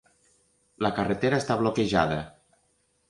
La carretera està bloquejada.